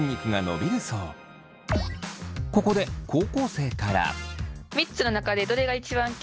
ここで高校生から。